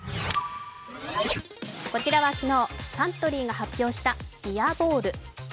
こちらは昨日、サントリーが発表したビアボール。